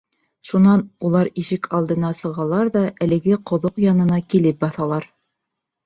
Шунан улар ишек алдына сығалар ҙа әлеге ҡоҙоҡ янына килеп баҫалар.